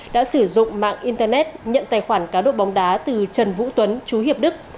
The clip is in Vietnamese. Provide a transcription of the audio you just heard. đã sử dụng mạng internet nhận tài khoản cá độ bóng đá từ trần vũ tuấn chú hiệp đức